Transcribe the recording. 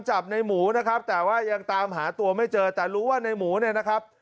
จับในหมูนะครับแต่ว่ายังตามหาตัวไม่เจอแต่รู้ว่าในหมูเนี่ยนะครับ